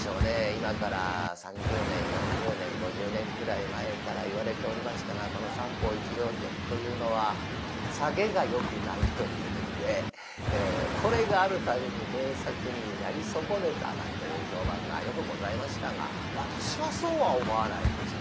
今から３０年４０年５０年くらい前から言われておりましたがこの「三方一両損」というのはサゲがよくないというですねこれがあるために名作になり損ねたなんという評判がよくございましたが私はそうは思わないんですよ。